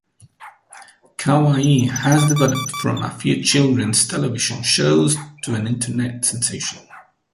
Kawaii has developed from a few children's television shows to an Internet sensation.